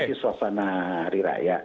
ini suasana hari raya